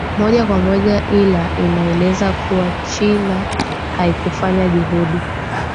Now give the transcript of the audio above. moja kwa moja ila inaeleza kuwa china haikufanya juhudi